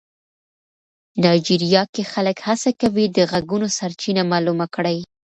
نایجیریا کې خلک هڅه کوي د غږونو سرچینه معلومه کړي.